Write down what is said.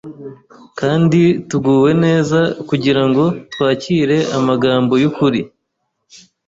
kandi tuguwe neza kugira ngo twakire amagambo y’ukuri,